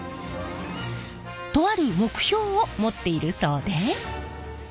とある目標を持っているそうで。